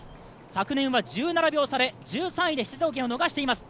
昨年は１７秒差１３位で出場権を逃しています。